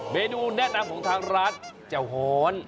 เมนูแนะนำของทางร้านจะหอน